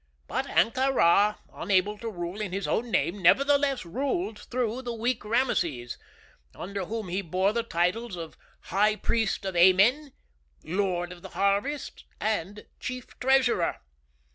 But Ahtka Rā, unable to rule in his own name, nevertheless ruled through the weak Rameses, under whom he bore the titles of High Priest of Āmen, Lord of the Harvests and Chief Treasurer.